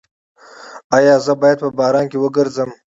ایا زه باید په باران کې وګرځم؟